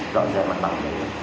dọn dẹp mặt bằng